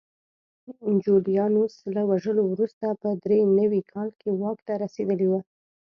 جولیانوس له وژلو وروسته په درې نوي کال کې واک ته رسېدلی و